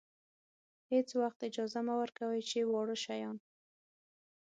هېڅ وخت اجازه مه ورکوئ چې واړه شیان.